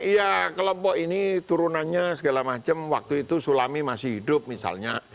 ya kelompok ini turunannya segala macam waktu itu sulami masih hidup misalnya